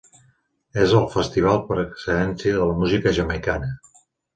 És el festival per excel·lència de la música jamaicana.